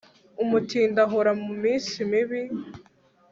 umutindi ahora mu minsi mibi